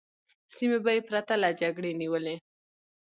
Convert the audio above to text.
سیمې به یې پرته له جګړې نیولې.